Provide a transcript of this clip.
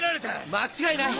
・間違いない！